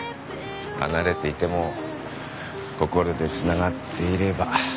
離れていても心でつながっていれば。